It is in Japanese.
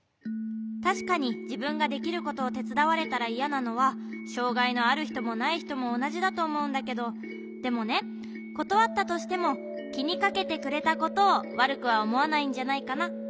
たしかにじぶんができることをてつだわれたらいやなのはしょうがいのあるひともないひともおなじだとおもうんだけどでもねことわったとしてもきにかけてくれたことをわるくはおもわないんじゃないかな。